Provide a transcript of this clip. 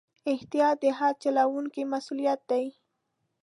احتیاط د هر چلوونکي مسؤلیت دی.